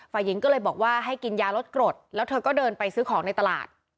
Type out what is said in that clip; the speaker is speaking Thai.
ฝ่ายหญิงก็เลยบอกว่าให้กินยาลดกรดแล้วเธอก็เดินไปซื้อของในตลาด